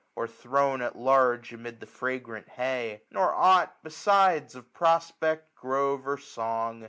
Or thrown at large amid the fragrant hay ; Nor ought besides of prospect, grove, or song.